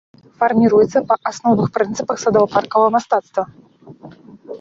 Фарміруецца па асноўных прынцыпах садова-паркавага мастацтва.